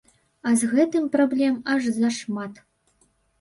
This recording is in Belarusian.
А з гэтым праблем аж зашмат.